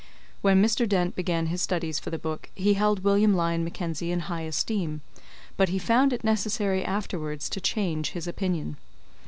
When Mr. Dent began his studies for the book he held William Lyon Mackenzie in high esteem, but he found it necessary afterwards to change his opinion.